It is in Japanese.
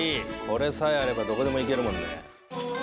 これさえあればどこでも行けるもんね。